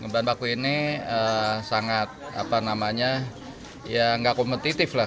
bahan baku ini sangat apa namanya ya nggak kompetitif lah